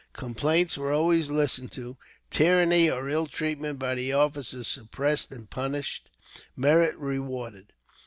Complaints were always listened to, tyranny or ill treatment by the officers suppressed and punished, merit rewarded.